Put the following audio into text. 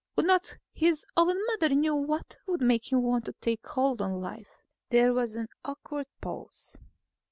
"Would not his own mother know what would make him want to take hold on life?" There was an awkward pause.